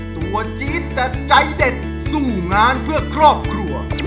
จี๊ดแต่ใจเด็ดสู้งานเพื่อครอบครัว